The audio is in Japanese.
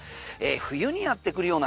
冬にやってくるような